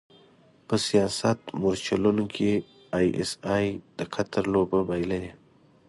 په سیاست مورچلونو کې ای ایس ای د قطر لوبه بایللې.